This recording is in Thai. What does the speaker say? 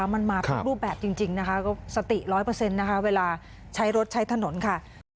มันมาทุกรูปแบบจริงนะคะก็สติ๑๐๐นะคะเวลาใช้รถใช้ถนนค่ะ